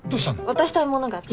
渡したいものがあって。